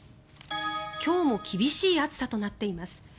今日も厳しい暑さとなっています。